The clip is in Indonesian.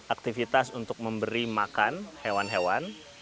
aktivitas untuk memberi makan hewan hewan